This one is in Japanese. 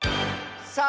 「さあ！」。